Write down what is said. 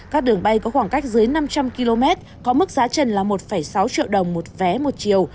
các đường bay có khoảng cách dưới năm trăm linh km có mức giá trần là một sáu triệu đồng một vé một chiều